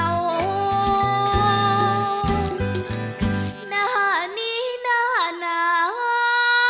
หน้านี้หน้าน้า